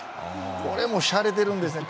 これもしゃれてるんですね。